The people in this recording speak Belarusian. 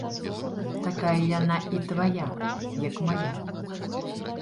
Такая яна і твая, як мая.